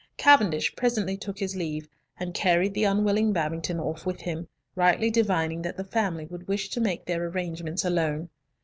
Cavendish presently took his leave, and carried the unwilling Babington off with him, rightly divining that the family would wish to make their arrangements alone.